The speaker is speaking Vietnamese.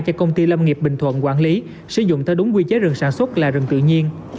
cho công ty lâm nghiệp bình thuận quản lý sử dụng theo đúng quy chế rừng sản xuất là rừng tự nhiên